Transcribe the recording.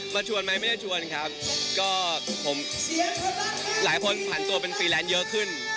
ชวนไหมไม่ได้ชวนครับก็ผมหลายคนผ่านตัวเป็นฟรีแลนซ์เยอะขึ้น